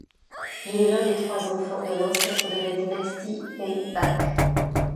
Il est l'un des trois enfants de l'ancêtre de la dynastie, Veit Bach.